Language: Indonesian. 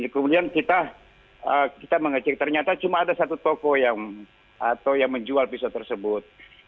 kemudian kita mengecek ternyata cuma ada satu toko yang atau yang menjual pisau tersebut